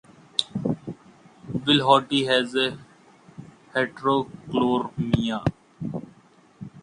Wilhoite has heterochromia.